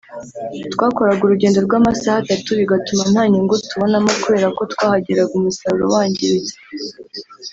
twakoraga urugendo rw’amasaha atatu bigatuma nta nyungu tubonamo kubera ko twahageraga umusaruro wangiritse